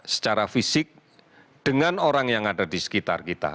secara fisik dengan orang yang ada di sekitar kita